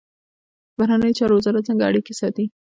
بهرنیو چارو وزارت څنګه اړیکې ساتي؟